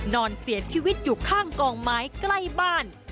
นอนเสียชีวิตอยู่ข้างกองไม้ใกล้บ้าน